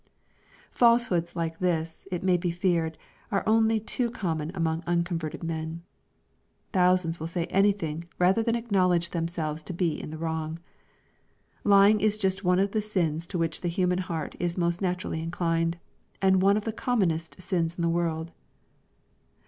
Falsehoods like this, it may be feared, are only too common among unconverted men. Thousands will say anything rather than acknowledge themselves to be in the wrong. Lying is just one of the sins to which the human heart is most naturally inclined, and one of the commonest sins in the world.